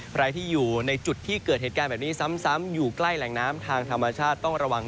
ใครที่อยู่ในจุดที่เกิดเหตุการณ์แบบนี้ซ้ำอยู่ใกล้แหล่งน้ำทางธรรมชาติต้องระวัง